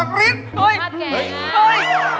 กระกัด